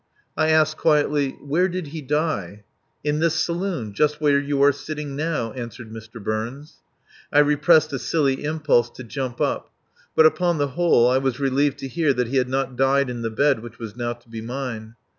I asked quietly: "Where did he die?" "In this saloon. Just where you are sitting now," answered Mr. Burns. I repressed a silly impulse to jump up; but upon the whole I was relieved to hear that he had not died in the bed which was now to be mine.